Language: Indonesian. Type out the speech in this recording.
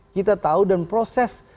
kita tahu dan proses